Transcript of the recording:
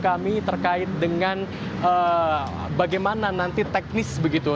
kami terkait dengan bagaimana nanti teknis begitu